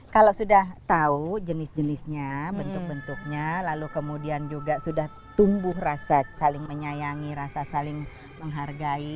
kalau sudah tahu jenis jenisnya bentuk bentuknya lalu kemudian juga sudah tumbuh rasa saling menyayangi rasa saling menghargai